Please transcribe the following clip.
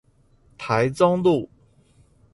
台中路